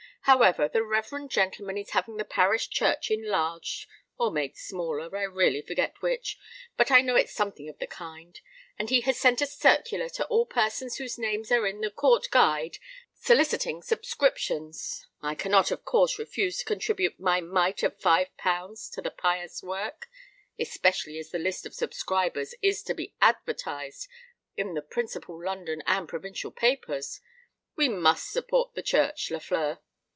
However—the reverend gentleman is having the parish church enlarged—or made smaller—I really forget which,—but I know it's something of the kind;—and as he has sent a circular to all persons whose names are in the Court Guide, soliciting subscriptions, I cannot, of course, refuse to contribute my mite of five pounds to the pious work—especially as the list of subscribers is to be advertised in the principal London and provincial papers. We must support the Church, Lafleur."